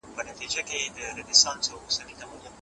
ولسي جرګه د ملي پوليسو ستاينه کوي.